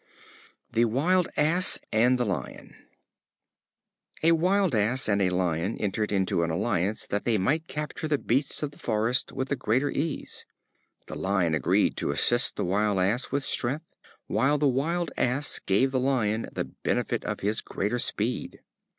The Wild Ass and the Lion. A Wild Ass and a Lion entered into an alliance that they might capture the beasts of the forest with the greater ease. The Lion agreed to assist the Wild Ass with strength, while the Wild Ass gave the Lion the benefit of his greater speed.